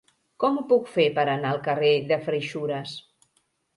Com ho puc fer per anar al carrer de Freixures?